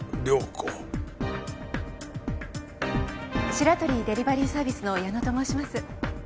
シラトリ・デリバリーサービスの矢野と申します。